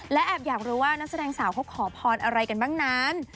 และแอบอยากรู้ว่านักแสดงสาวเขาขอพรอะไรกันบ้างนั้น